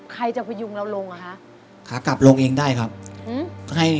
ใครจะพยุงเราลงอ่ะคะขากลับลงเองได้ครับอืมให้